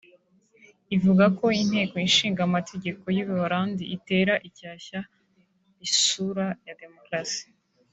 rivuga ko Inteko Ishinga Amategeko y’u Buholandi itera icyasha isura ya demokarasi